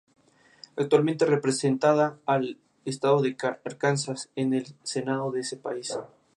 Fue pareja del actor chileno Marcelo Romo.